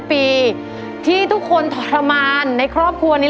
ปีที่ทุกคนทรมานในครอบครัวนี้